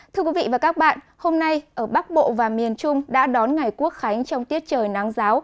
thưa quý vị và các bạn hôm nay ở bắc bộ và miền trung đã đón ngày quốc khánh trong tiết trời nắng giáo